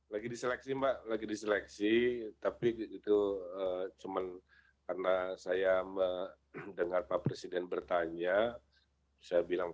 lagi diseleksi mbak lagi diseleksi tapi itu cuman karena saya mendengar pak presiden bertanya saya bilang